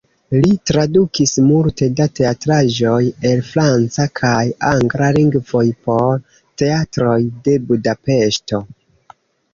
Li tradukis multe da teatraĵoj el franca kaj angla lingvoj por teatroj de Budapeŝto.